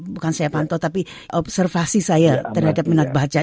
bukan saya pantau tapi observasi saya terhadap minat baca